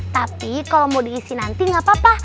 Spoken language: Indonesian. tapi kalau mau diisi nanti nggak apa apa